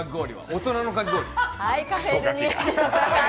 大人のかき氷。